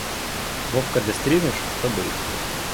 Вовка де стрінеш, то бий.